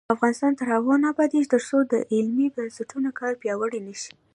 افغانستان تر هغو نه ابادیږي، ترڅو د علمي بنسټونو کار پیاوړی نشي.